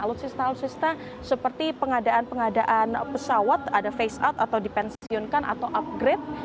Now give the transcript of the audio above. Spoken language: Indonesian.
alutsista alutsista seperti pengadaan pengadaan pesawat ada face out atau dipensiunkan atau upgrade